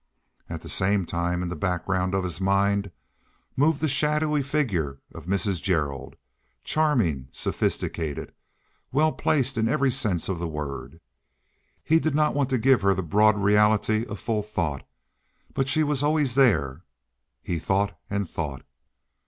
At the same time, in the background of his mind, moved the shadowy figure of Mrs. Gerald—charming, sophisticated, well placed in every sense of the word. He did not want to give her the broad reality of full thought, but she was always there. He thought and thought.